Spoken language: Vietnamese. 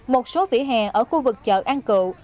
một số vỉa hè ở khu vực chợ an cựu